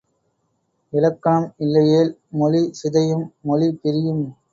இலக்கணம் இல்லையேல் மொழி சிதையும் மொழி பிரியும்.